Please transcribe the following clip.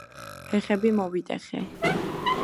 ფეხები მოვიტეხე